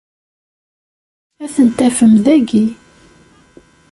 Ad ten-tafem dagi.